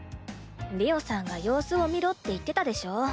りおさんが様子を見ろって言ってたでしょ？